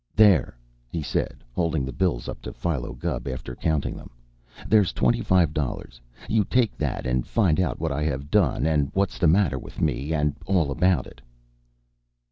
"There!" he said, holding the bills up to Philo Gubb after counting them. "There's twenty five dollars. You take that and find out what I have done, and what's the matter with me, and all about it."